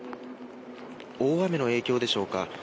大雨の影響でしょうか。